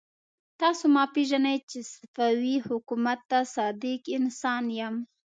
تاسو ما پېژنئ چې صفوي حکومت ته صادق انسان يم.